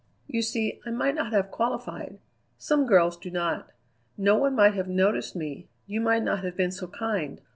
You see, I might not have qualified; some girls do not. No one might have noticed me; you might not have been so kind.